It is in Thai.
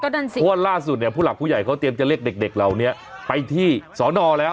นั่นสิเพราะว่าล่าสุดเนี่ยผู้หลักผู้ใหญ่เขาเตรียมจะเรียกเด็กเหล่านี้ไปที่สอนอแล้ว